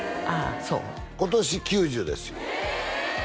そう今年９０ですよえ！